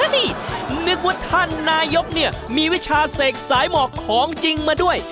นึกว่าท่านนายกเนี่ยมีวิชาเสกสายหมอกของจริงมาด้วย